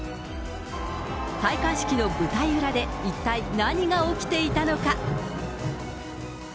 戴冠式の舞台裏で一体何が起きていたのか。